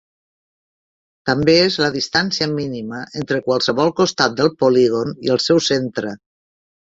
També és la distància mínima entre qualsevol costat del polígon i el seu centre.